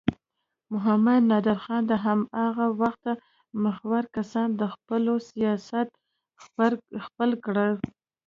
محمد نادر خان د هماغه وخت مخورو کسانو د خپلولو سیاست خپل کړ.